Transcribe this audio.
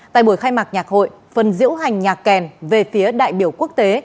tại buổi khai mạc nhạc hội phần diễu hành nhạc kèn về phía đại biểu quốc tế